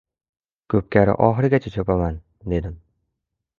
Ko‘pkari oxirigacha chopaman! — dedim.